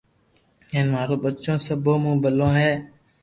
ھين مارو ٻچو سبو مون ٻلو ھي